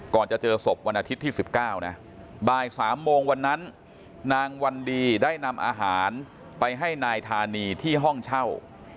จะเจอศพวันอาทิตย์ที่๑๙นะบ่าย๓โมงวันนั้นนางวันดีได้นำอาหารไปให้นายธานีที่ห้องเช่า